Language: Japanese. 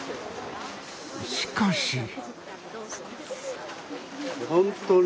しかし。